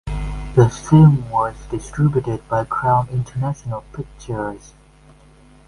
The film was distributed by Crown International Pictures.